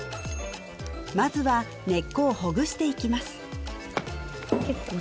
まずは根っこをほぐしていきます